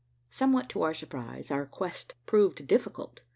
Somewhat to our surprise, our quest proved difficult.